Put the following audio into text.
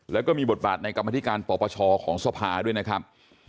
แล้วก็มีบทบาทในกรรมธิการปปชของสภาด้วยนะครับ